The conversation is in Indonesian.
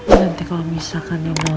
nanti kalau misalkan ini mau